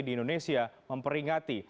di indonesia memperingati